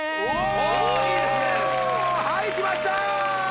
おおはいきました